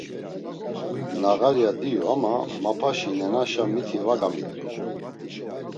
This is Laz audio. Nağarya diyu ama Mapaşi nenaşa miti va gamit̆u.